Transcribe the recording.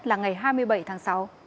là ngày hai mươi bảy tháng sáu